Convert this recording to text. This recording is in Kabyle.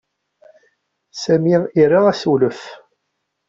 Sami ira assewlef.